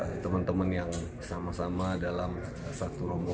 jika masing masing yang sudah berhasil itu yang sudah tembus